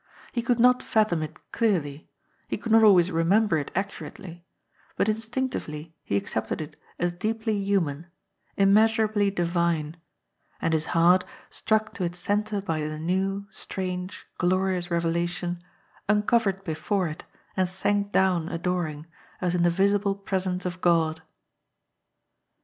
He could not fathom it clear ly; he could not always remember it accurately, but in stinctively he accepted it as deeply human, immeasurably divine, and his heart, struck to its centre by the new, strange, glorious revelation, uncovered before it and sank down adoring, as in the visible presence of God.